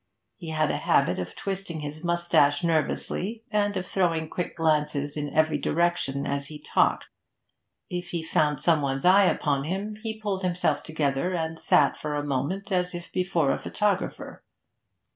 He had a habit of twisting his moustache nervously and of throwing quick glances in every direction as he talked; if he found some one's eye upon him, he pulled himself together and sat for a moment as if before a photographer.